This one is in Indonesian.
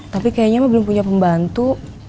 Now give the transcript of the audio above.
tapi kayaknya mah belum punya pembantu